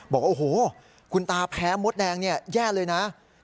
บอกว่าโอ้โหคุณตาแพ้มดแดงเนี่ยแย่เลยนะ